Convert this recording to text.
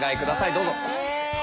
どうぞ。